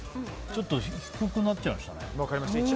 ちょっと低くなっちゃいましたね。